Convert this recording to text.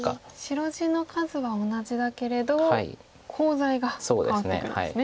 白地の数は同じだけれどコウ材が変わってくるんですね。